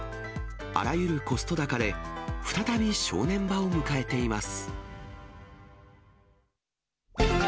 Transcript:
あらゆるコスト高で、再び正念場を迎えています。